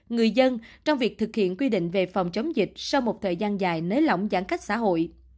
người dân trong việc thực hiện quy định về phòng chống dịch sau một thời gian dài nới lỏng giãn cách xã hội